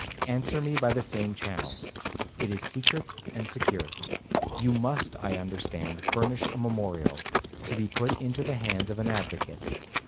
Answer me by the same channel, it is secret and secure. You must, I understand, furnish a memorial, to be put into the hands of an advocate.